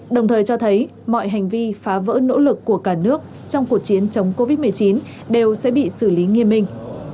đồng thời cho thấy mọi hành vi phá vỡ nỗ lực của cả nước trong cuộc chiến chống covid một mươi chín đều sẽ bị xử lý nghiêm minh